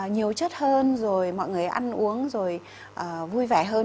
nhiều chất hơn rồi mọi người ăn uống rồi vui vẻ hơn